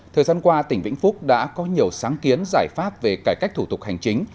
thời gian qua tỉnh vĩnh phúc đã có nhiều sáng kiến giải pháp về cải cách thủ tục hành chính